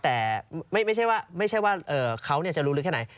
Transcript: แต่ไม่ใช่ว่าเขาจะรู้ลึกแค่ไหน